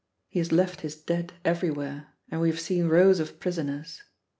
He has left his dead everywhere, and we have seen rows of prisoners.